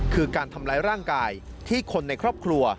คือการทำร้ายร่างกายที่คนในครอบครัว